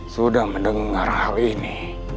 sudah mendengar hal ini